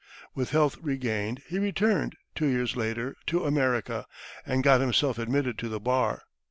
With health regained, he returned, two years later, to America, and got himself admitted to the bar.